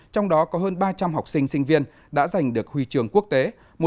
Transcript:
trong đó có hơn ba trăm linh học sinh sinh viên đã giành được huy trường quốc tế